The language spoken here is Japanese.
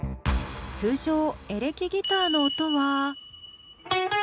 通常エレキギターの音は。